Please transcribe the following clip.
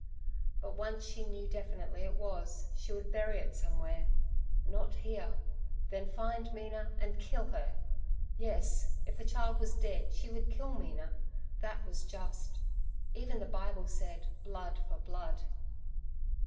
But once she knew definitely it was, she would bury it somewhere—not here—then find Mina and kill her! Yes, if the child was dead she would kill Mina; that was just. Even the Bible said, 'Blood for blood.'